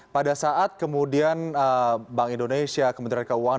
pada saat kemudian bank indonesia kementerian keuangan